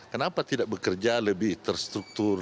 kenapa tidak bekerja lebih terstruktur